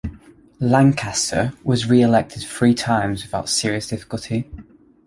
Lancaster was reelected three times without serious difficulty.